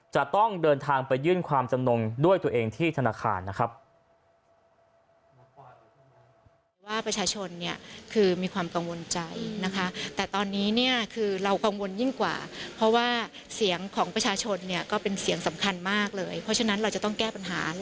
จะต้องเดินทางไปยื่นความจำนงด้วยตัวเองที่ธนาคารนะครับ